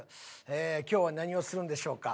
今日は何をするんでしょうか？